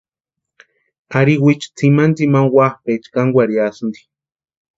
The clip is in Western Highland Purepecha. Ari wichu tsimani tsimani wapʼa kankwarhiasïnti.